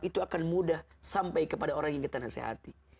itu akan mudah sampai kepada orang yang kita nasehati